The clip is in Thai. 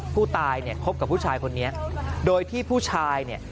ผู้ตายเนี่ยคบกับผู้ชายคนนี้โดยที่ผู้ชายเนี่ย